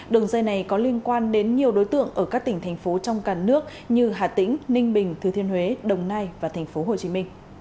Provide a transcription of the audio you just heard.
đường dây này có liên quan đến nhiều đối tượng ở các tỉnh thành phố trong cả nước như hà tĩnh ninh bình thừa thiên huế đồng nai và tp hcm